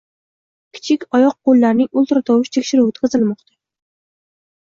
Kichik oyoq -qo'llarning ultratovush tekshiruvi o'tkazilmoqda